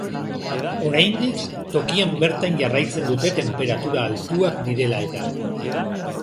Oraindik, tokian bertan jarraitzen dute tenperatura altuak direla eta.